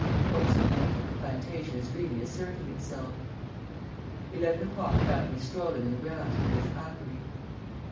Oh, there's no doubt that the plantation is really asserting itself." Eleven o'clock found me strolling in the grounds with Miss Atherley.